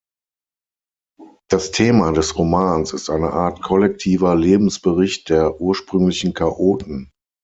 Das Thema des Romans ist eine Art kollektiver Lebensbericht der „Ursprünglichen Chaoten“.